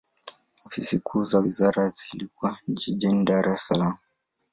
Ofisi kuu za wizara hii zilikuwa jijini Dar es Salaam.